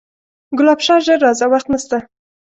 ګلاب شاه ژر راځه وخت نسته